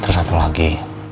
terus satu lagi